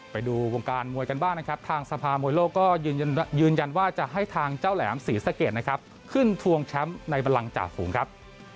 ไปดูวงการมวยกันบ้างนะครับทางสภามวยโลกก็ยืนยันว่าจะให้ทางเจ้าแหลมศรีสะเกดนะครับขึ้นทวงแชมป์ในบันลังจ่าฝูงครับ